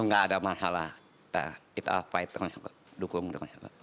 gak ada masalah irtaal pai tengah tengah lukly